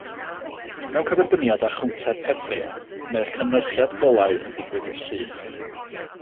Mewn cyferbyniad â chownter pefrio mae'r cynhyrchiad golau yn digwydd yn syth.